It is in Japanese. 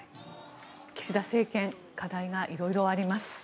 岸田政権課題が色々あります。